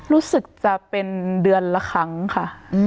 รู้สึกจะเป็นเดือนละครั้งค่ะ